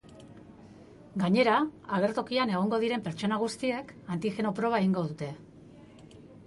Gainera, agertokian egongo diren pertsona guztiek antigeno proba egingo dute.